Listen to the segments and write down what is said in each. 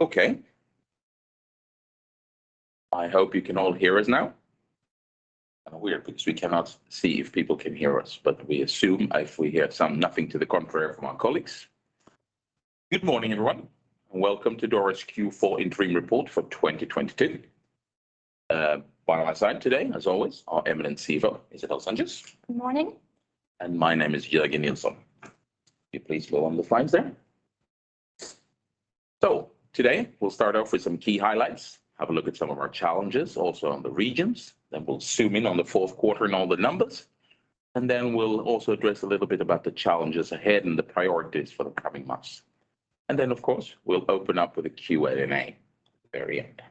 Okay. I hope you can all hear us now. Kinda weird because we cannot see if people can hear us, but we assume if we hear some nothing to the contrary from our colleagues. Good morning, everyone, and welcome to Doro's Q4 interim report for 2022. By my side today, as always, our eminent CFO, Isabelle Sengès. Good morning. My name is Jörgen Nilsson. Can you please go on the slides there? Today, we'll start off with some key highlights, have a look at some of our challenges also on the regions, then we'll zoom in on the fourth quarter and all the numbers, and then we'll also address a little bit about the challenges ahead and the priorities for the coming months. Of course, we'll open up with a Q&A at the very end.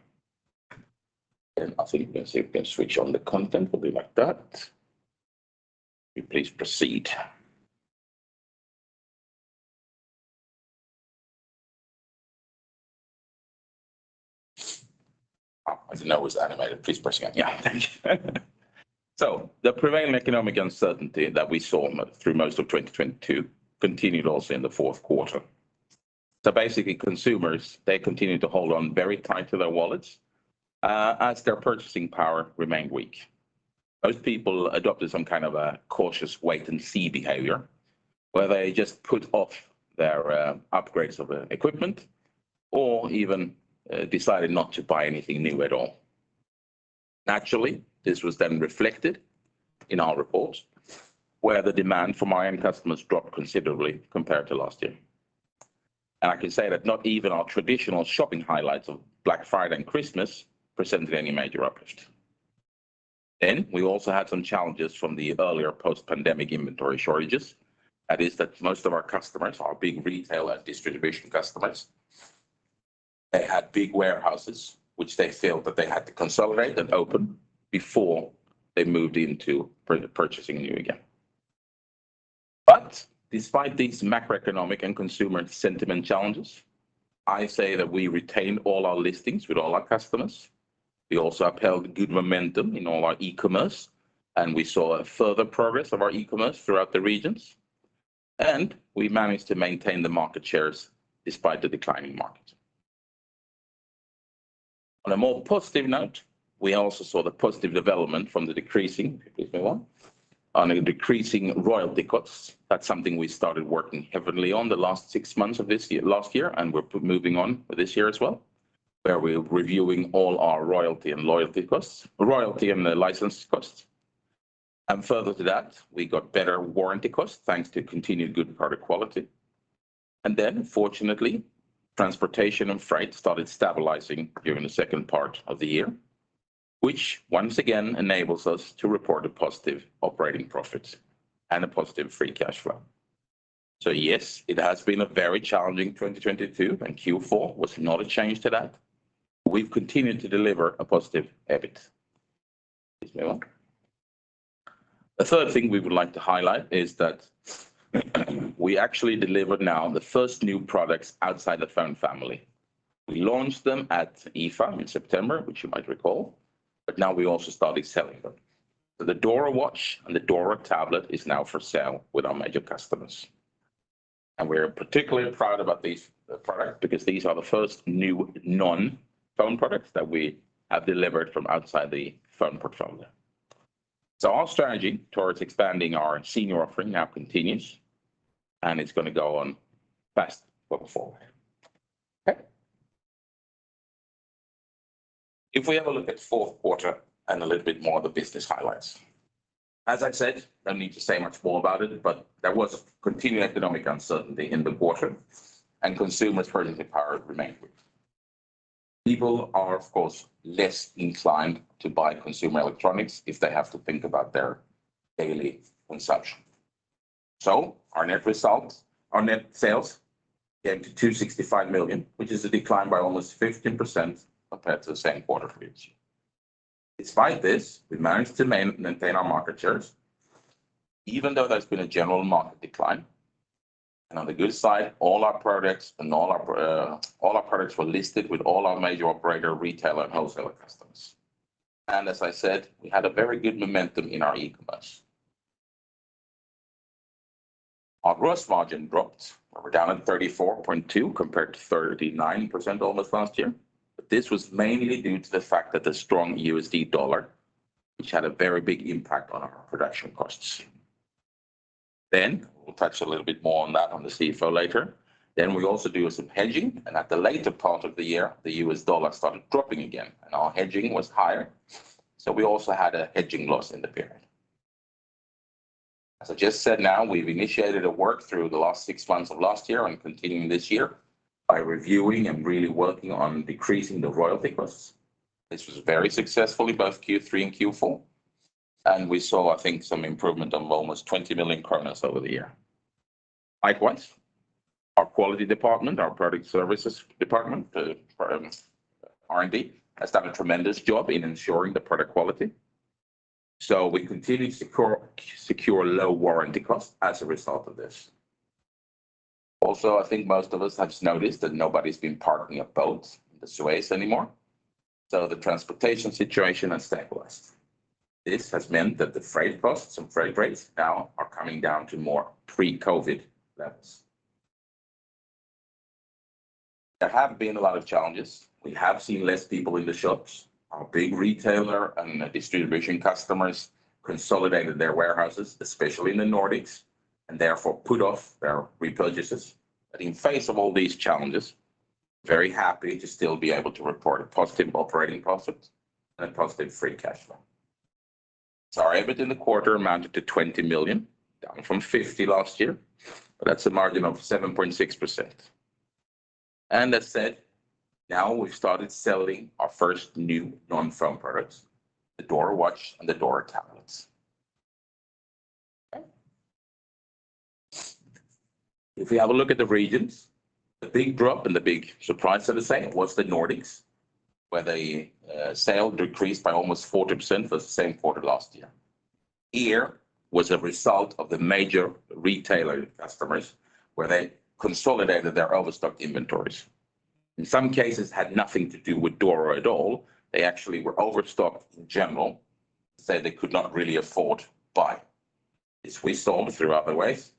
As you can see, we can switch on the content will be like that. Can you please proceed? I didn't know it was animated. Please proceed. The prevailing economic uncertainty that we saw through most of 2022 continued also in the fourth quarter. Basically, consumers, they continued to hold on very tight to their wallets, as their purchasing power remained weak. Most people adopted some kind of a cautious wait and see behavior, where they just put off their upgrades of e-equipment or even decided not to buy anything new at all. Naturally, this was then reflected in our report where the demand from our end customers dropped considerably compared to last year. I can say that not even our traditional shopping highlights of Black Friday and Christmas presented any major uplift. We also had some challenges from the earlier post-pandemic inventory shortages. That is that most of our customers are big retail and distribution customers. They had big warehouses, which they felt that they had to consolidate and open before they moved into purchasing new again. Despite these macroeconomic and consumer sentiment challenges, I say that we retained all our listings with all our customers. We also upheld good momentum in all our e-commerce, we saw a further progress of our e-commerce throughout the regions, we managed to maintain the market shares despite the declining market. On a more positive note, we also saw the positive development from the decreasing, if you please move on a decreasing royalty costs. That's something we started working heavily on the last six months of last year, we're moving on with this year as well, where we're reviewing all our royalty and the license costs. Further to that, we got better warranty costs, thanks to continued good product quality. Fortunately, transportation and freight started stabilizing during the second part of the year, which once again enables us to report a positive operating profit and a positive free cash flow. Yes, it has been a very challenging 2022, and Q4 was not a change to that. We've continued to deliver a positive EBIT. Please move on. A third thing we would like to highlight is that we actually delivered now the first new products outside the phone family. We launched them at IFA in September, which you might recall, but now we also started selling them. The Doro Watch and the Doro Tablet is now for sale with our major customers. We're particularly proud about these products because these are the first new non-phone products that we have delivered from outside the phone portfolio. Our strategy towards expanding our senior offering now continues, and it's gonna go on fast going forward. Okay. If we have a look at Q4 and a little bit more of the business highlights. As I've said, no need to say much more about it, but there was continued economic uncertainty in the quarter and consumers' purchasing power remained weak. People are, of course, less inclined to buy consumer electronics if they have to think about their daily consumption. Our net results, our net sales came to 265 million, which is a decline by almost 15% compared to the same quarter previous year. Despite this, we managed to maintain our market shares even though there's been a general market decline. On the good side, all our products were listed with all our major operator, retailer, and wholesaler customers. As I said, we had a very good momentum in our e-commerce. Our gross margin dropped. We're down at 34.2% compared to 39% almost last year. This was mainly due to the fact that the strong USD dollar, which had a very big impact on our production costs. We'll touch a little bit more on that on the CFO later. We also do some hedging, and at the later part of the year, the US dollar started dropping again and our hedging was higher. We also had a hedging loss in the period. As I just said now, we've initiated a work through the last six months of last year and continuing this year by reviewing and really working on decreasing the royalty costs. This was very successful in both Q3 and Q4, and we saw, I think, some improvement on almost 20 million kronor over the year. Likewise, our quality department, our product services department, the R&D has done a tremendous job in ensuring the product quality, so we continue secure low warranty costs as a result of this. Also, I think most of us have noticed that nobody's been parking up boats in the Suez anymore. The transportation situation has stabilized. This has meant that the freight costs and freight rates now are coming down to more pre-COVID levels. There have been a lot of challenges. We have seen less people in the shops. Our big retailer and distribution customers consolidated their warehouses, especially in the Nordics, and therefore put off their repurchases. In face of all these challenges, very happy to still be able to report a positive operating profit and a positive free cash flow. Sorry, but in the quarter amounted to 20 million, down from 50 million last year, but that's a margin of 7.6%. That said, now we've started selling our first new non-phone products, the DoroWatch and the Doro Tablets. If we have a look at the regions, the big drop and the big surprise, so to say, was the Nordics, where the sales decreased by almost 40% for the same quarter last year. Here was a result of the major retailer customers where they consolidated their overstocked inventories. In some cases, had nothing to do with Doro at all. They actually were overstocked in general, so they could not really afford to buy. This we sold through other ways,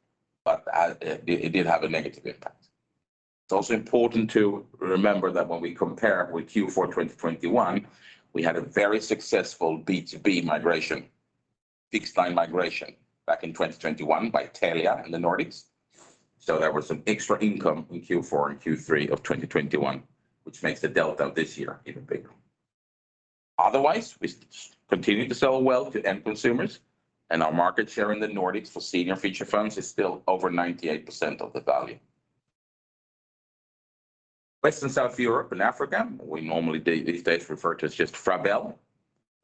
but it did have a negative impact. It's also important to remember that when we compare with Q4 2021, we had a very successful B2B migration, fixed line migration back in 2021 by Telia in the Nordics. There was some extra income in Q4 and Q3 of 2021, which makes the delta this year even bigger. Otherwise, we continue to sell well to end consumers, and our market share in the Nordics for senior feature phones is still over 98% of the value. West and South Europe and Africa, we normally these days refer to as just FraBel.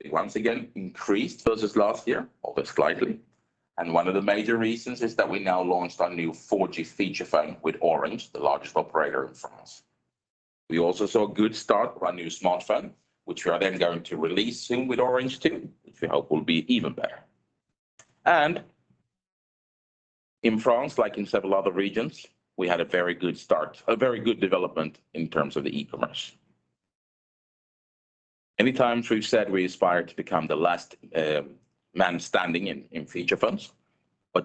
They once again increased versus last year, albeit slightly. One of the major reasons is that we now launched our new 4G feature phone with Orange, the largest operator in France. We also saw a good start for our new smartphone, which we are then going to release soon with Orange too, which we hope will be even better. In France, like in several other regions, we had a very good start, a very good development in terms of the e-commerce. Many times we've said we aspire to become the last man standing in feature phones.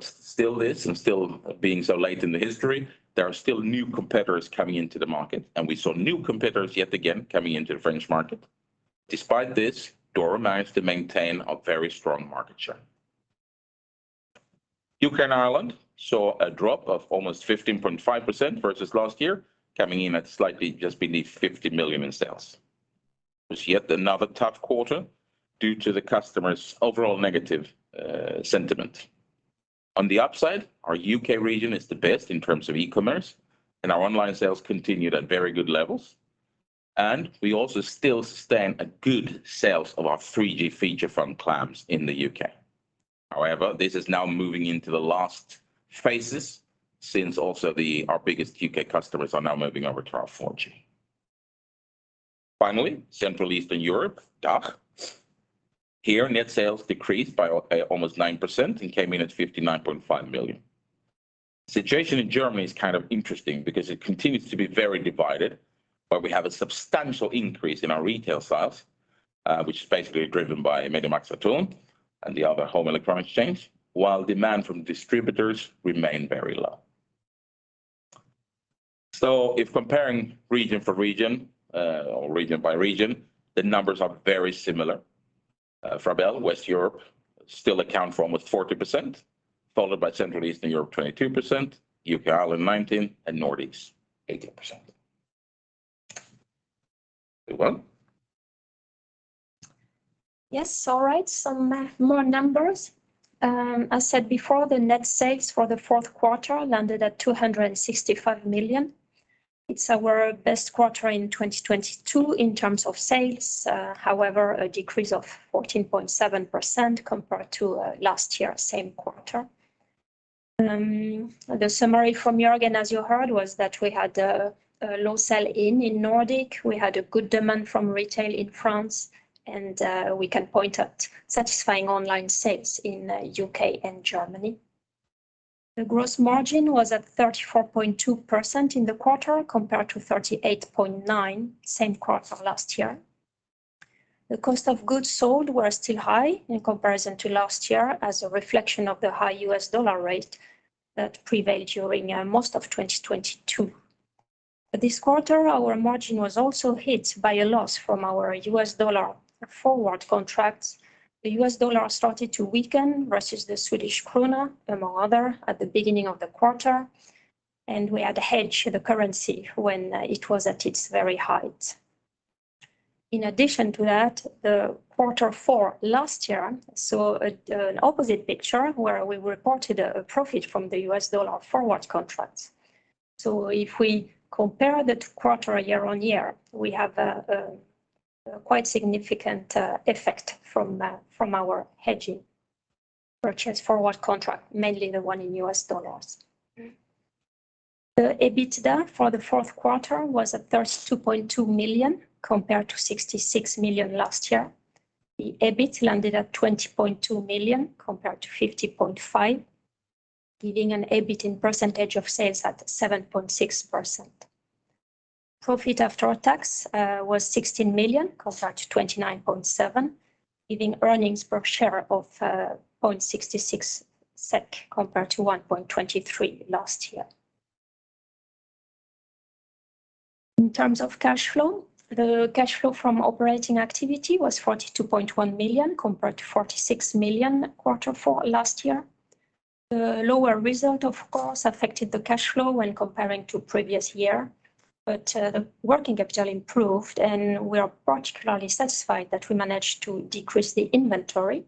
Still this and still being so late in the history, there are still new competitors coming into the market. We saw new competitors yet again coming into the French market. Despite this, Doro managed to maintain a very strong market share. U.K. and Ireland saw a drop of almost 15.5% versus last year, coming in at slightly just beneath 50 million in sales. It was yet another tough quarter due to the customers' overall negative sentiment. On the upside, our U.K. region is the best in terms of e-commerce, our online sales continued at very good levels. We also still sustain a good sales of our 3G feature phone clams in the UK. However, this is now moving into the last phases since also our biggest UK customers are now moving over to our 4G. Finally, Central Eastern Europe, DACH. Here, net sales decreased by, okay, almost 9% and came in at 59.5 million. Situation in Germany is kind of interesting because it continues to be very divided, but we have a substantial increase in our retail sales, which is basically driven by MediaMarktSaturn and the other home electronics chains, while demand from distributors remain very low. If comparing region for region, or region by region, the numbers are very similar. FraBel, West Europe still account for almost 40%, followed by Central Eastern Europe, 22%, U.K., Ireland, 19%, and Nordics, 18%. Isabelle? Yes, all right. Some more numbers. I said before the net sales for the fourth quarter landed at 265 million. It's our best quarter in 2022 in terms of sales. However, a decrease of 14.7% compared to last year same quarter. The summary from Jörgen, as you heard, was that we had a low sell-in in Nordic. We had a good demand from retail in France, and we can point at satisfying online sales in U.K. and Germany. The gross margin was at 34.2% in the quarter, compared to 38.9% same quarter last year. The cost of goods sold were still high in comparison to last year as a reflection of the high US dollar rate that prevailed during most of 2022. This quarter, our margin was also hit by a loss from our US dollar forward contracts. The US dollar started to weaken versus the Swedish krona, among other, at the beginning of the quarter, and we had hedged the currency when it was at its very height. In addition to that, the quarter four last year saw an opposite picture where we reported a profit from the US dollar forward contracts. If we compare the two quarter year-on-year, we have a quite significant effect from our hedging purchase forward contract, mainly the one in US dollars. The EBITDA for the fourth quarter was at 32.2 million, compared to 66 million last year. The EBIT landed at 20.2 million compared to 50.5 million. Giving an EBIT in percentage of sales at 7.6%. Profit after tax was 16 million compared to 29.7 million, giving earnings per share of 0.66 SEK compared to 1.23 last year. In terms of cash flow, the cash flow from operating activity was 42.1 million compared to 46 million Q4 last year. The lower result of course affected the cash flow when comparing to previous year. The working capital improved, and we are particularly satisfied that we managed to decrease the inventory.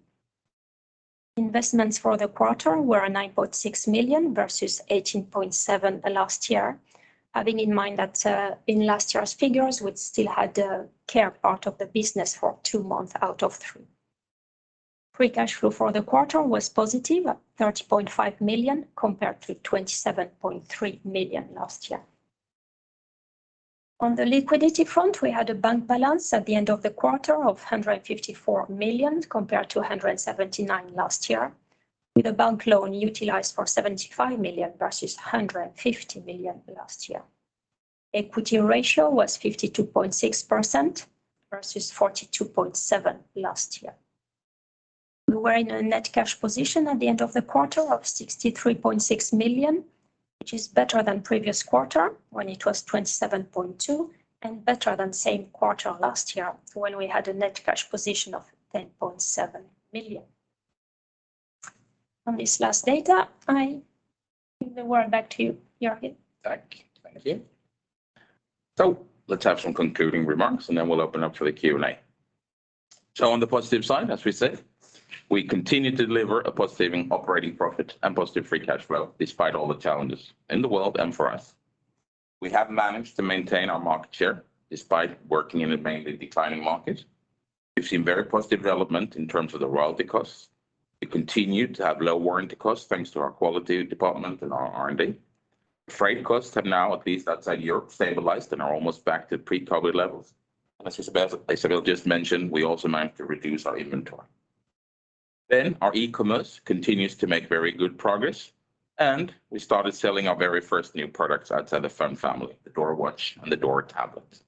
Investments for the quarter were 9.6 million versus 18.7 million last year. Having in mind that in last year's figures, we still had the care part of the business for two months out of three. Free cash flow for the quarter was positive at 30.5 million compared to 27.3 million last year. On the liquidity front, we had a bank balance at the end of the quarter of 154 million compared to 179 million last year, with a bank loan utilized for 75 million versus 150 million last year. Equity ratio was 52.6% versus 42.7% last year. We were in a net cash position at the end of the quarter of 63.6 million, which is better than previous quarter when it was 27.2 million, and better than same quarter last year when we had a net cash position of 10.7 million. On this last data, I give the word back to you, Jörgen. Thank you. Let's have some concluding remarks, and then we'll open up for the Q&A. On the positive side, as we said, we continue to deliver a positive operating profit and positive free cash flow despite all the challenges in the world and for us. We have managed to maintain our market share despite working in a mainly declining market. We've seen very positive development in terms of the royalty costs. We continue to have low warranty costs, thanks to our quality department and our R&D. Freight costs have now, at least outside Europe, stabilized and are almost back to pre-COVID levels. As Isabel just mentioned, we also managed to reduce our inventory. Our e-commerce continues to make very good progress, and we started selling our very first new products outside the phone family, the DoroWatch and the DoroTablet.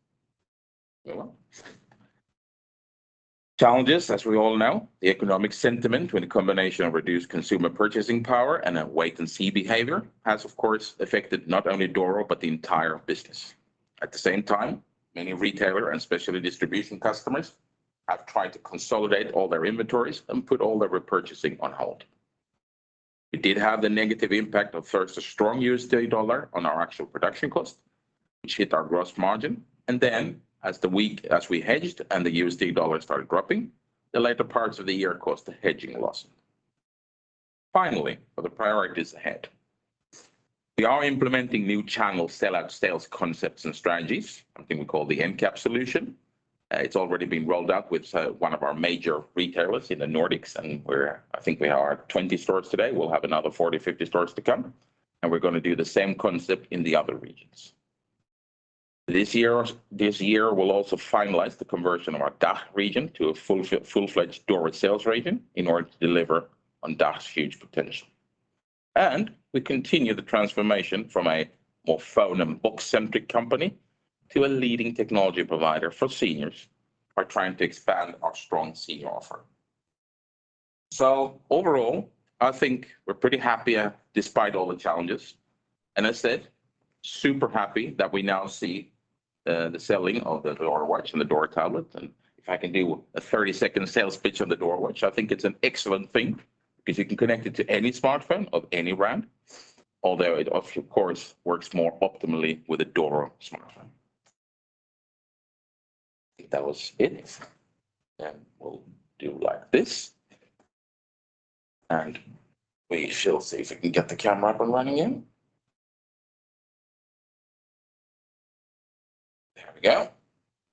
Challenges, as we all know, the economic sentiment with a combination of reduced consumer purchasing power and a wait-and-see behavior has of course affected not only Doro, but the entire business. At the same time, many retailer and specialty distribution customers have tried to consolidate all their inventories and put all their repurchasing on hold. We did have the negative impact of first a strong USD dollar on our actual production cost, which hit our gross margin. as we hedged and the USD dollar started dropping, the later parts of the year caused a hedging loss. Finally, for the priorities ahead. We are implementing new channel sell-out sales concepts and strategies, something we call the NCAP solution. It's already been rolled out with one of our major retailers in the Nordics, and I think we are at 20 stores today. We'll have another 40, 50 stores to come, and we're gonna do the same concept in the other regions. This year, we'll also finalize the conversion of our DACH region to a full-fledged Doro sales region in order to deliver on DACH's huge potential. We continue the transformation from a more phone and book-centric company to a leading technology provider for seniors by trying to expand our strong senior offer. Overall, I think we're pretty happy, despite all the challenges. I said, super happy that we now see the selling of the DoroWatch and the DoroTablet. If I can do a 30-second sales pitch on the DoroWatch, I think it's an excellent thing because you can connect it to any smartphone of any brand, although it of course works more optimally with a Doro smartphone. I think that was it. We'll do like this, and we shall see if we can get the camera up and running again. There we go.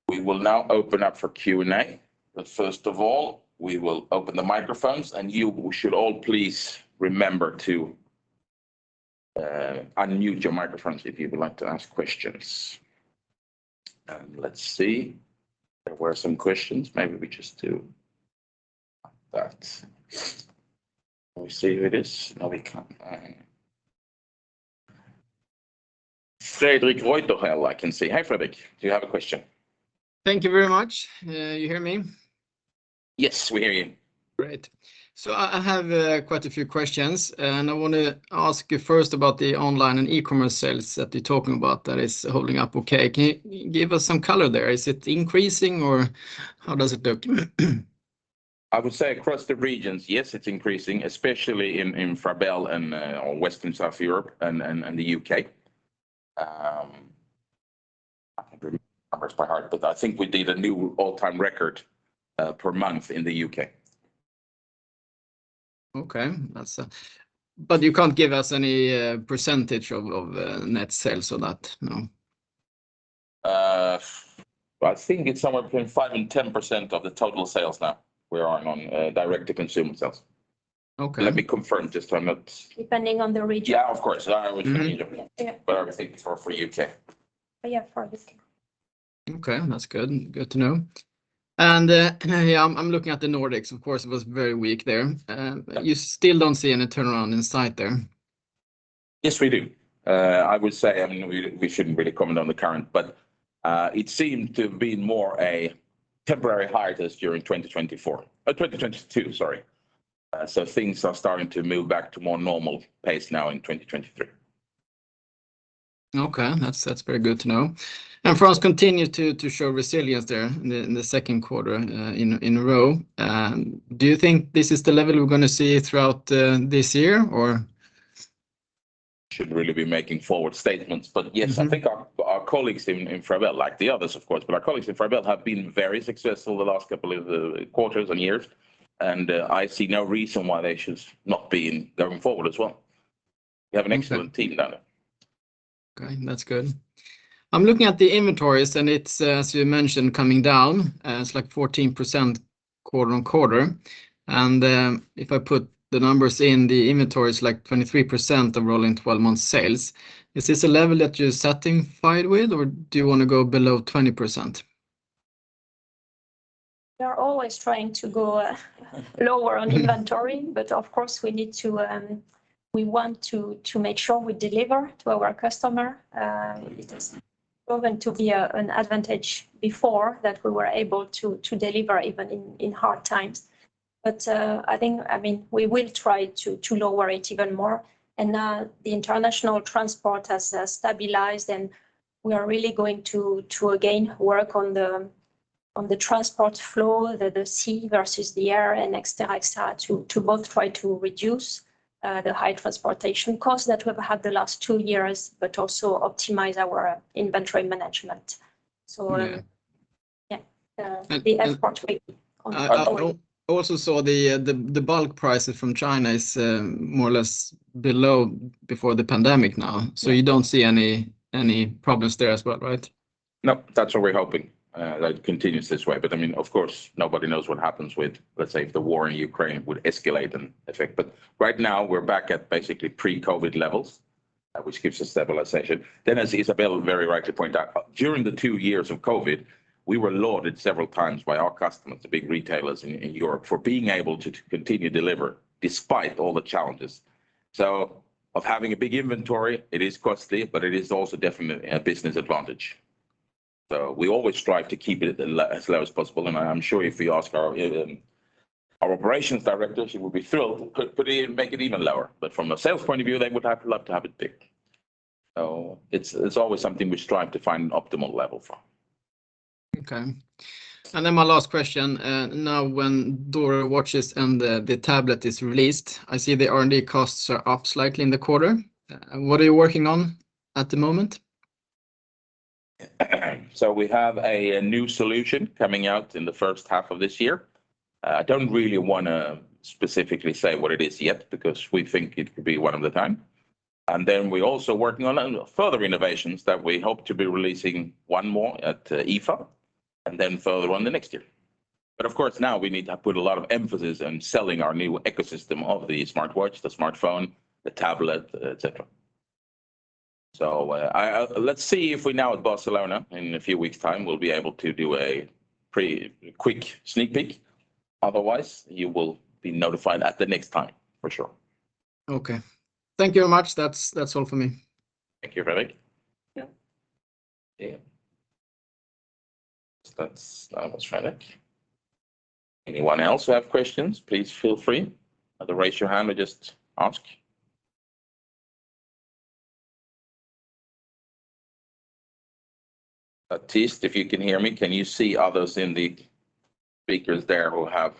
We will now open up for Q&A. First of all, we will open the microphones, and you should all please remember to unmute your microphones if you would like to ask questions. Let's see. There were some questions. Maybe we just do like that. Can we see who it is? No, we can't. Fredrik Woidt, I can see. Hi, Fredrik. Do you have a question? Thank you very much. You hear me? Yes, we hear you. Great. I have quite a few questions, and I wanna ask you first about the online and e-commerce sales that you're talking about that is holding up okay. Can you give us some color there? Is it increasing, or how does it look? I would say across the regions, yes, it's increasing, especially in Frabel and or Western South Europe and the UK. I can't remember numbers by heart, but I think we did a new all-time record per month in the U.K. Okay. That's... You can't give us any percentage of net sales on that, no? I think it's somewhere between 5% and 10% of the total sales now we are on direct-to-consumer sales. Okay. Let me confirm just so I'm not- Depending on the region. Yeah, of course. region. Yeah. I was thinking for U.K. Yeah, for this case. Okay, that's. Good. Good to know. Yeah, I'm looking at the Nordics. Of course, it was very weak there. Yeah You still don't see any turnaround in sight there? Yes, we do. I would say, I mean, we shouldn't really comment on the current, but it seemed to have been more a temporary hiatus during 2024, 2022, sorry. Things are starting to move back to more normal pace now in 2023. Okay. That's very good to know. France continued to show resilience there in the second quarter in a row. Do you think this is the level we're gonna see throughout this year or? Shouldn't really be making forward statements.... But yes, I think our colleagues in FraBel, like the others of course, but our colleagues in FraBel have been very successful the last couple of quarters and years, and I see no reason why they should not be going forward as well. We have an excellent team down there. Okay, that's good. I'm looking at the inventories, and it's as you mentioned, coming down. It's like 14% quarter-over-quarter. If I put the numbers in the inventories, like 23% of rolling 12-month sales, is this a level that you're satisfied with, or do you wanna go below 20%? We are always trying to go, lower on inventory- But of course, we need to, we want to make sure we deliver to our customer. It has proven to be an advantage before that we were able to deliver even in hard times. I think, I mean, we will try to lower it even more. The international transport has stabilized, and we are really going to again work on the transport floor, the sea versus the air and et cetera, et cetera, to both try to reduce the high transportation costs that we have had the last two years but also optimize our inventory management. Yeah. Yeah. The export way ongoing. I also saw the bulk prices from China is more or less below before the pandemic now. Yeah. You don't see any problems there as well, right? Nope, that's what we're hoping, that continues this way. I mean, of course, nobody knows what happens with, let's say, if the war in Ukraine would escalate and affect. Right now, we're back at basically pre-COVID levels, which gives a stabilization. As Isabelle very rightly pointed out, during the two years of COVID, we were loaded several times by our customers, the big retailers in Europe, for being able to continue deliver despite all the challenges. Of having a big inventory, it is costly, but it is also definitely a business advantage. We always strive to keep it as low as possible, and I'm sure if we ask our operations director, she will be thrilled. Could put it in, make it even lower. From a sales point of view, they would have loved to have it big. It's always something we strive to find an optimal level for. Okay. My last question, now when Doro Watches and the tablet is released, I see the R&D costs are up slightly in the quarter. What are you working on at the moment? We have a new solution coming out in the first half of this year. I don't really wanna specifically say what it is yet because we think it could be one of the time. We're also working on further innovations that we hope to be releasing one more at IFA and then further one the next year. Of course, now we need to put a lot of emphasis on selling our new ecosystem of the smartwatch, the smartphone, the tablet, et cetera. Let's see if we now at Barcelona in a few weeks' time will be able to do a pretty quick sneak peek. Otherwise, you will be notified at the next time for sure. Okay. Thank you very much. That's all for me. Thank you, Fredrik. Yeah. Yeah. That's was Fredrik. Anyone else who have questions, please feel free. Either raise your hand or just ask. Baptiste, if you can hear me, can you see others in the speakers there who have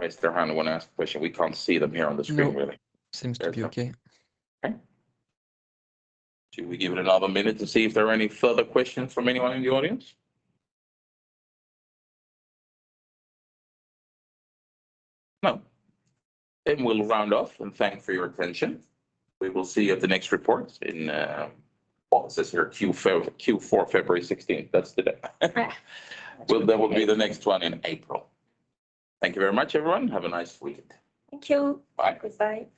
raised their hand and wanna ask a question? We can't see them here on the screen really. Yes. Seems to be okay. There we go. Okay. Should we give it another minute to see if there are any further questions from anyone in the audience? No. We'll round off and thank for your attention. We will see you at the next report in what's this here? Q4, February 16th. That's the day. Yeah. Well, there will be the next one in April. Thank you very much, everyone. Have a nice week. Thank you. Bye. Goodbye.